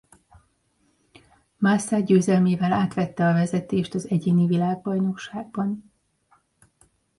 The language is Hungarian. Massa győzelmével átvette a vezetést az egyéni világbajnokságban.